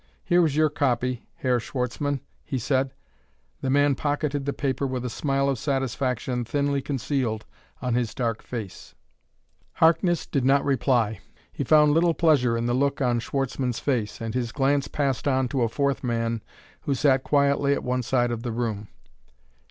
"Here is your copy, Herr Schwartzmann," he said. The man pocketed the paper with a smile of satisfaction thinly concealed on his dark face. Harkness did not reply. He found little pleasure in the look on Schwartzmann's face, and his glance passed on to a fourth man who sat quietly at one side of the room.